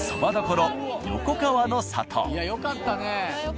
いやよかったね。